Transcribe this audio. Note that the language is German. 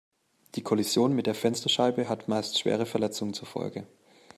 Die Kollision mit der Fensterscheibe hat meist schwere Verletzungen zur Folge.